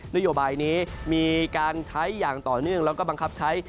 นโยบายนี้มีการใช้อย่างต่อเนื่องแล้วก็บังคับใช้